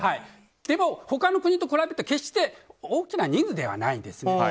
でも、ほかの国と比べて決して大きな人数ではないんですね。